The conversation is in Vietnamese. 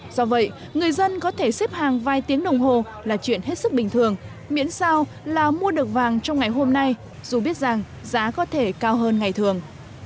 do vậy người dân có thể xếp hàng vài tiếng đồng hồ là chuyện hết sức bình thường miễn sao là mua được vàng trong ngày hôm nay dù biết rằng giá có thể cao hơn ngày thường